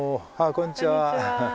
こんにちは。